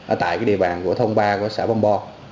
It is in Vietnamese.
ở tại địa bàn của thôn ba của xã vong bo